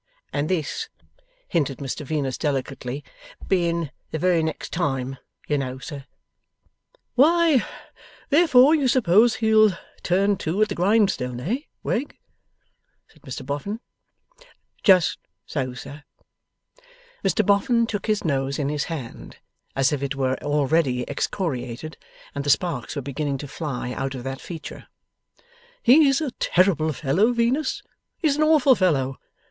And this,' hinted Mr Venus, delicately, 'being the very next time, you know, sir ' 'Why, therefore you suppose he'll turn to at the grindstone, eh, Wegg?' said Mr Boffin. 'Just so, sir.' Mr Boffin took his nose in his hand, as if it were already excoriated, and the sparks were beginning to fly out of that feature. 'He's a terrible fellow, Venus; he's an awful fellow.